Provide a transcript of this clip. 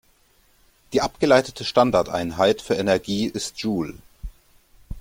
Die abgeleitete Standardeinheit für Energie ist Joule.